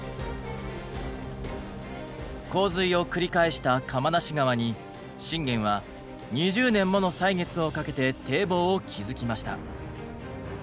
洪水を繰り返した釜無川に信玄は２０年もの歳月をかけて堤防を築きました。